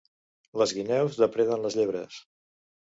Les guineus depreden les llebres.